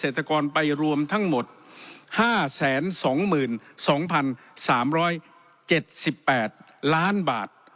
ตกรไปรวมทั้งหมด๕๒๒๓๗๘ล้านบาท